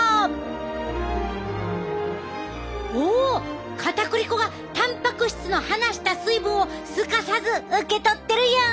おおかたくり粉がたんぱく質の離した水分をすかさず受け取ってるやん！